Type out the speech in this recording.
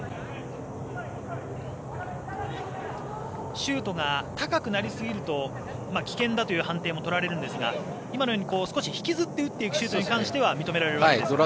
シュートが高くなりすぎると危険だという判定もとられるんですが今のように引きずっていくシュートに関しては認められるわけですね。